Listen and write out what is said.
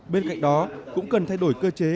bên cạnh đó cũng cần thay đổi cơ chế